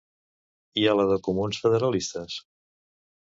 I a la de Comuns Federalistes?